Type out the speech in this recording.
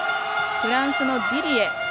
フランスのディディエ。